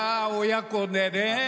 親子でね。